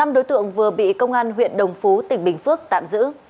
năm đối tượng vừa bị công an huyện đồng phú tỉnh bình phước tạm giữ